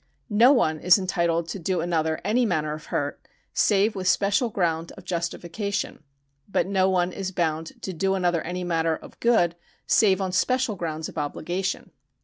No one is entitled to do another any manner of hurt, save with special ground of justification ; but no one is bound to do another any manner of good save on special grounds of obligation.